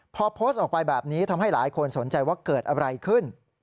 พอโพสต์ออกไปแบบนี้ทำให้หลายคนสนใจว่าเกิดอะไรขึ้น